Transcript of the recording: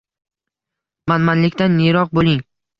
Manmanlikdan yiroq bo‘ling.